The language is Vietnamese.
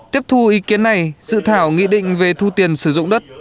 tiếp thu ý kiến này dự thảo nghị định về thu tiền sử dụng đất